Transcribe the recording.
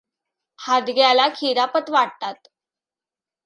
हादग्याला खिरापत वाटतात.